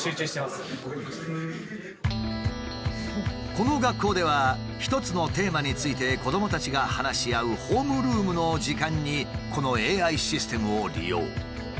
この学校では一つのテーマについて子どもたちが話し合うホームルームの時間にこのＡＩシステムを利用。